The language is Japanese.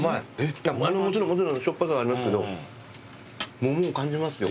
もちろんしょっぱさはありますけど桃を感じますよ。